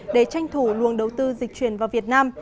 để tranh thủ luồng đầu tư dịch chuyển vào việt nam